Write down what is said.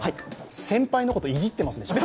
先輩のこと、いじっていますでしょう。